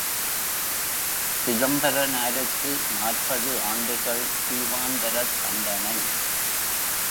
சிதம்பரனாருக்கு நாற்பது ஆண்டுகள் தீவாந்தரத் தண்டனை!